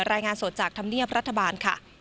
รายงานสดจากธรรมเนียบรัฐบาลค่ะ